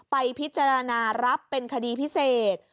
ไปพิจารณารับเป็นคดีพิเศษ